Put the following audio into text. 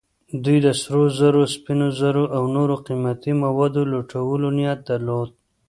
دوی د سرو زرو، سپینو زرو او نورو قیمتي موادو لوټلو نیت درلود.